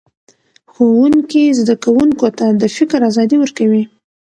ښوونکی زده کوونکو ته د فکر ازادي ورکوي